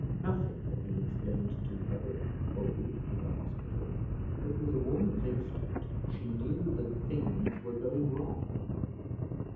Nothing had been explained to her about Bold and the hospital; but, with a woman's instinct she knew that things were going wrong.